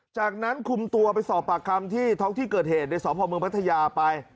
จากนั้นคุมตัวไปสอบปากคำที่ท้องที่เกิดเหตุในสพเมืองพัทยาไป